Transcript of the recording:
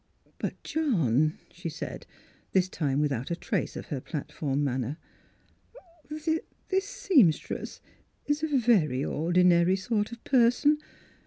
" But, John," she said, this time with out a trace of her platform manner, " this — this seamstress is a very ordi nary sort of person.